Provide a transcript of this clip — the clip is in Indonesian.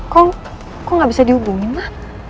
kok enggak bisa dihubungin ma